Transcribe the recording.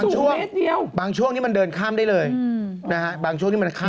มันมีบางช่วงบางช่วงนี้มันเดินข้ามได้เลยนะฮะบางช่วงนี้มันข้าม